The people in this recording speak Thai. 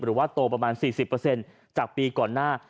หรือว่าโตประมาณ๔๐จากปีก่อนหน้า